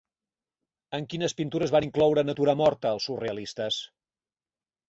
En quines pintures van incloure natura morta els surrealistes?